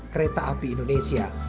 kereta api indonesia